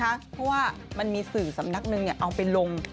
เพราะว่ามันมีสื่อสำนักหนึ่งเอาไปลง